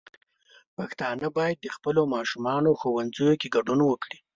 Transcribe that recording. پښتانه بايد د خپلو ماشومانو ښوونځيو کې ګډون وکړي.